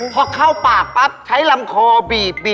พอเข้าปากปั๊บใช้ลำคอบีบ